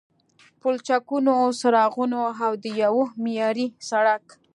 پلچکونو، څراغونو او د یوه معیاري سړک